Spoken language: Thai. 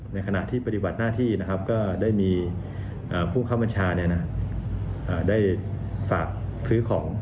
ในขณะที่ปฏิบัติหน้าที่นะครับก็ได้มีผู้เข้าบัญชาได้ฝากซื้อของ